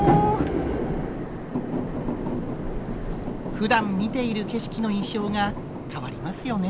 ふだん見ている景色の印象が変わりますよね。